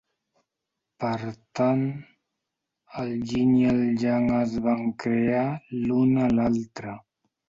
Per tant, el yin i el yang es van crear l'un a l'altre.